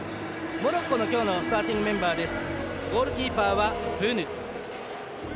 モロッコのスターティングメンバーです。